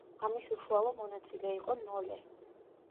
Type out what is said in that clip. ამის უშუალო მონაწილე იყო ნოლე.